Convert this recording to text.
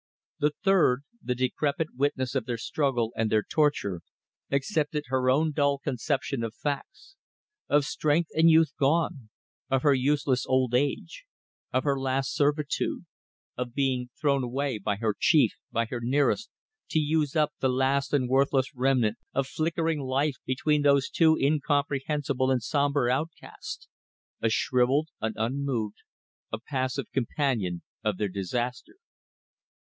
The third, the decrepit witness of their struggle and their torture, accepted her own dull conception of facts; of strength and youth gone; of her useless old age; of her last servitude; of being thrown away by her chief, by her nearest, to use up the last and worthless remnant of flickering life between those two incomprehensible and sombre outcasts: a shrivelled, an unmoved, a passive companion of their disaster.